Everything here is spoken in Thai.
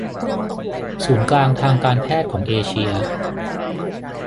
ศูนย์กลางทางการแพทย์ของเอเชีย